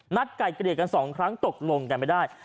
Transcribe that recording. นัดไก่เกรียดกัน๒ครั้งตกลงกันไม่ได้